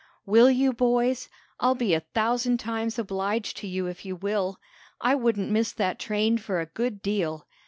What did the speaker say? "Will you, boys? I'll be a thousand times obliged to you if you will! I wouldn't miss that train for a good deal.